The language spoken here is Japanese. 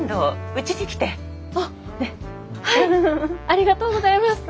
ありがとうございます。